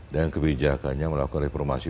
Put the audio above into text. dan kebijakannya melakukan reformasi